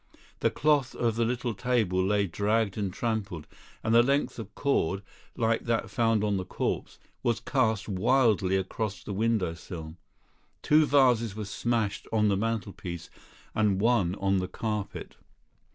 The cloth of the little table lay dragged and trampled, and a length of cord, like that found on the corpse, was cast wildly across the windowsill. Two vases were smashed on the mantelpiece and one on the carpet.